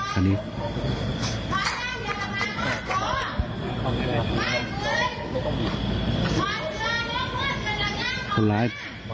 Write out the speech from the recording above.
คนร้าย